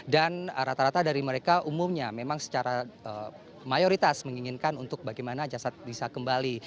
dan rata rata dari mereka umumnya memang secara mayoritas menginginkan untuk bagaimana jasad bisa kembali